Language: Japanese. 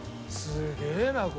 すげえなこれ。